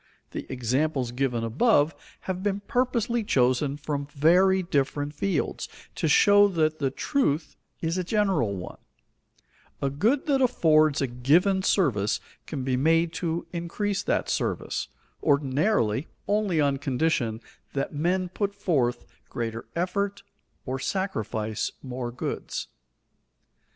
The examples given above have been purposely chosen from very different fields, to show that the truth is a general one: a good that affords a given service can be made to increase that service, ordinarily, only on condition that men put forth greater effort, or sacrifice more goods.